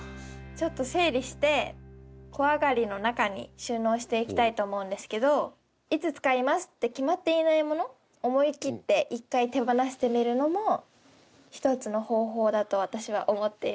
ちょっと整理して小上がりの中に収納していきたいと思うんですけどいつ使いますって決まっていないもの思いきって１回手放してみるのも１つの方法だと私は思っています。